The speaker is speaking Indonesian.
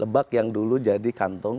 lebak yang dulu jadi kantor